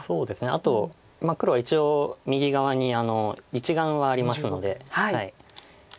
あと黒は一応右側に１眼はありますので。